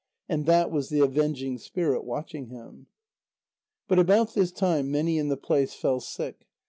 And that was the avenging spirit, watching him. But about this time, many in the place fell sick.